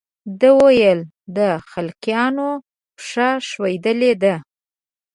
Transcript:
ده ویل د خلقیانو پښه ښویېدلې ده.